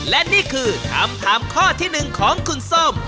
และนี่คือคำถามข้อที่๑ของคุณส้ม